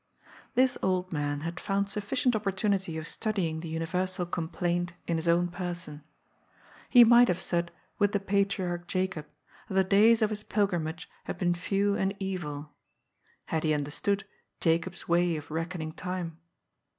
This old man had found sufficient opportunity of study ing the universal complaint in his own person. He might have said with the patriarch Jacob that the days of his pil grimage had been few and evil, had he understood Jacob's way of reckoning time.